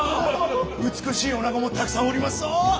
美しいおなごもたくさんおりますぞ！